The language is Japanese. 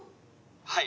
はい。